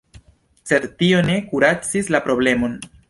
Sed tio ne kuracis la problemon.